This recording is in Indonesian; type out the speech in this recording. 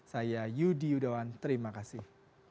saya yudi yudawan terima kasih